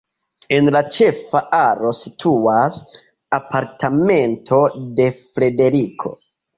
En la ĉefa alo situas apartamento de Frederiko.